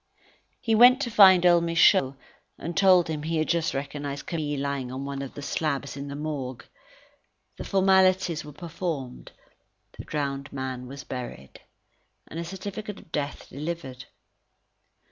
He went to find old Michaud, and told him he had just recognized Camille lying on one of the slabs in the Morgue. The formalities were performed, the drowned man was buried, and a certificate of death delivered.